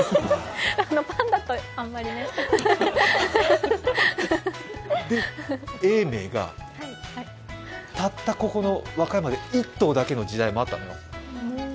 あの、パンダとあんまりね永明がたった、ここの和歌山で１頭だけの時代もあったのよ。